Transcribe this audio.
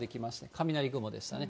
雷雲でしたね。